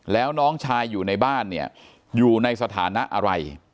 แล้วน้องชายอยู่ในบ้านเนี่ยอยู่ในสถานะอะไร